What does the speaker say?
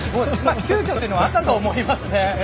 急きょというのはあったと思いますね。